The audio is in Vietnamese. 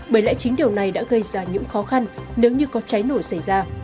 bởi lẽ chính điều này đã gây ra những khó khăn nếu như có cháy nổ xảy ra